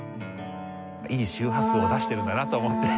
いい周波数を出しているんだなと思って。